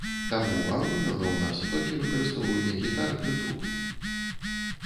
Таму агульнага ў нас толькі выкарыстоўванне гітар ды труб.